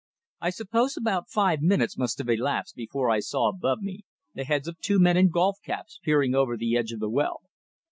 I suppose about five minutes must have elapsed before I saw above me the heads of two men in golf caps, peering over the edge of the well.